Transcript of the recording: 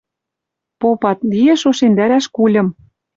Попат: лиэш ошемдӓрӓш кульым